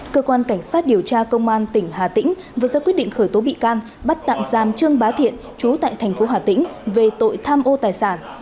cơ quan cảnh sát điều tra công an tỉnh hà tĩnh vừa ra quyết định khởi tố bị can bắt tạm giam trương bá thiện chú tại thành phố hà tĩnh về tội tham ô tài sản